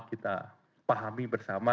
kita pahami bersama